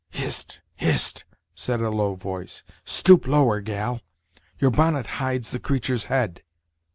"Hist! hist!" said a low voice, "stoop lower, gal; your bonnet hides the creatur's head."